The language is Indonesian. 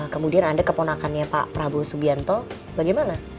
kemudian anda keponakannya pak prabowo subianto bagaimana